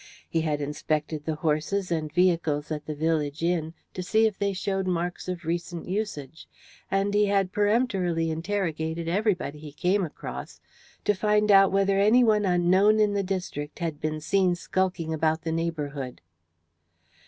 He had inspected the horses and vehicles at the village inn to see if they showed marks of recent usage, and he had peremptorily interrogated everybody he came across to find out whether any one unknown in the district had been seen skulking about the neighbourhood.